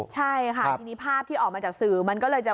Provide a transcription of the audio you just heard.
ใช่ค่ะทีนี้ภาพที่ออกมาจากสื่อมันก็เลยจะ